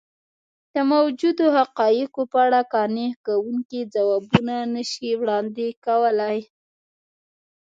د موجودو حقایقو په اړه قانع کوونکي ځوابونه نه شي وړاندې کولی.